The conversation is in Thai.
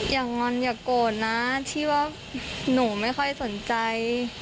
อย่างงอนอย่าโกรธนะที่ว่าหนูไม่ค่อยสนใจ